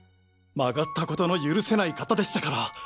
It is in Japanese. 曲がったことの許せない方でしたから。